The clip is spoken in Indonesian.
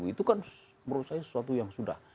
itu kan menurut saya sesuatu yang sudah